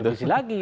mereka revisi lagi